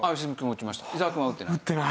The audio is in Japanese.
伊沢くんは打ってない？